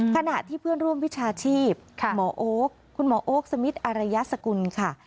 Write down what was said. ขณะที่เพื่อนร่วมวิชาชีพคุณหมอโอ๊กสมิทร์อรัยสกุลค่ะ